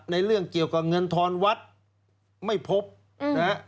เรื่องเกี่ยวกับเงินทอนวัดไม่พบนะฮะ